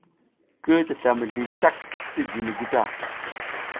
Ki tisla mizli cak ti jiniy gu ta.